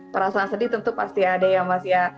perasaan sedih tentu pasti ada ya mas ya